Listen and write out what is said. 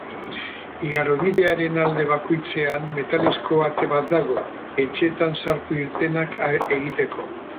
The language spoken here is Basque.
Igarobidearen alde bakoitzean metalezko ate bat dago, etxeetan sartu-irtenak egiteko.